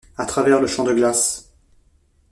À travers le champ de glace —